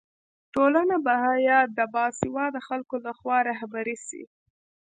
ټولنه باید د باسواده خلکو لخوا رهبري سي.